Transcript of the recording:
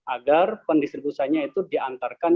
agar pendistribusiannya itu diantarkan